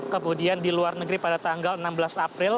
kemudian di luar negeri pada tanggal enam belas april